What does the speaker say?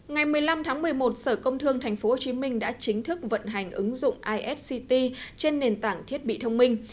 ngày một mươi năm tháng một mươi một sở công thương tp hcm đã chính thức vận hành ứng dụng isct trên nền tảng thiết bị thông minh